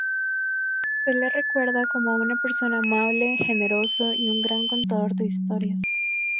Se le recuerda como una persona amable, generoso y un gran contador de historias.